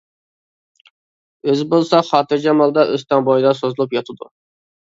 ئۆزى بولسا، خاتىرجەم ھالدا ئۆستەڭ بويىدا سوزۇلۇپ ياتىدۇ.